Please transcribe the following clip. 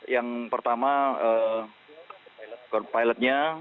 yang pertama pilotnya